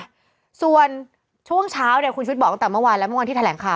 ค่ะส่วนช่วงเช้าเนี่ยคุณชุวิตบอกตั้งแต่เมื่อวานและเมื่อวานที่แถลงข่าว